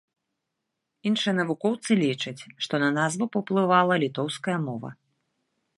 Іншыя навукоўцы лічаць, што на назву паўплывала літоўская мова.